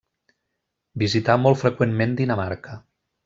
Visità molt freqüentment Dinamarca.